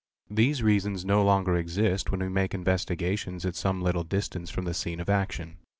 : These reasons no longer exist when we make investigations at som little distance from the scene of action.